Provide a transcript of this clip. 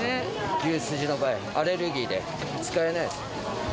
牛すじの場合、アレルギーで使えないっす。